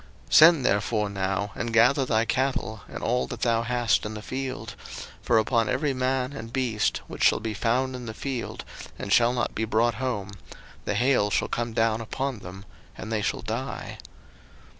02:009:019 Send therefore now, and gather thy cattle, and all that thou hast in the field; for upon every man and beast which shall be found in the field, and shall not be brought home, the hail shall come down upon them, and they shall die.